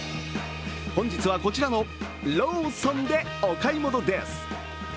本日はこちらのローソンでお買い物です。